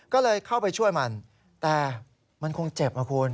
ก็เลยเข้าไปช่วยมันแต่มันคงเจ็บนะคุณ